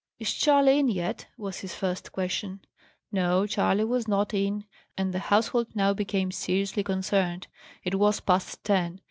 "Is Charley in yet?" was his first question. No, Charley was not in; and the household now became seriously concerned. It was past ten.